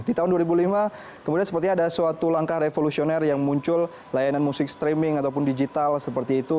di tahun dua ribu lima kemudian sepertinya ada suatu langkah revolusioner yang muncul layanan musik streaming ataupun digital seperti itu